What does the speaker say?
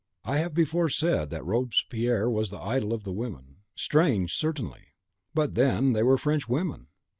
I have before said that Robespierre was the idol of the women. Strange certainly! but then they were French women!